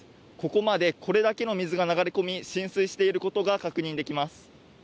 ここまでこれだけの水が流れ込み、浸水していることが確認できます。